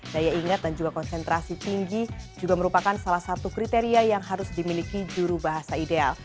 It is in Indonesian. daya ingat dan juga konsentrasi tinggi juga merupakan salah satu kriteria yang harus dimiliki juru bahasa ideal